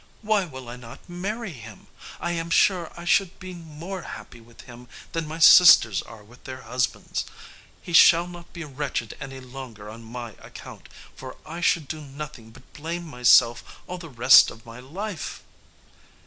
Why will not I marry him? I am sure I should be more happy with him than my sisters are with their husbands. He shall not be wretched any longer on my account; for I should do nothing but blame myself all the rest of my life."